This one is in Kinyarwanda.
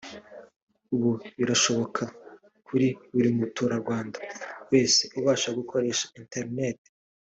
ubu birashoboka kuri buri muturarwanda wese ubasha gukoresha internet